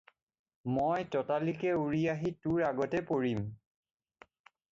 মই ততালিকে উৰি আহি তোৰ আগতে পৰিম।